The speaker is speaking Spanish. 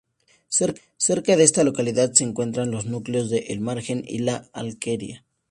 Cerca de esta localidad se encuentran los núcleos de El Margen y La Alquería.